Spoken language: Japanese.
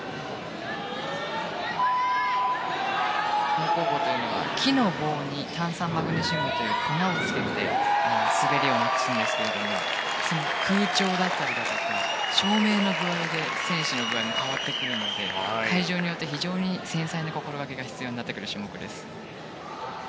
平行棒というのは木の棒に炭酸マグネシウムという粉をつけて滑りをなくすんですが空調だったり、照明の具合で選手の具合も変わってくるので会場によって非常に繊細な心掛けが必要になってくる種目です。